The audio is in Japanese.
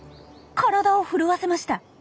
体を震わせました。